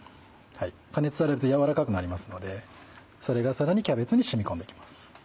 加熱されるとやわらかくなりますのでそれがさらにキャベツに染み込んでいきます。